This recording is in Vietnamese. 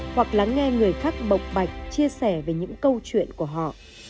hoặc lắng nghe người khác bộc bạch chia sẻ về những câu chuyện của họ